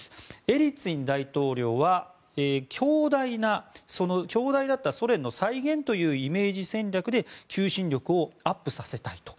エリツィン大統領は強大だったソ連の再現というイメージ戦略で求心力をアップさせたいと。